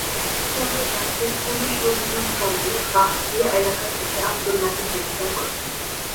পরে রাতে পুলিশ অভিযান চালিয়ে বাকলিয়া এলাকা থেকে আবদুল্লাহকে গ্রেপ্তার করে।